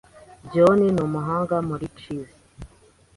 John ni umuhanga muri chess.